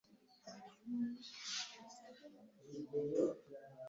hazabaho ikindi gihe gito mumbone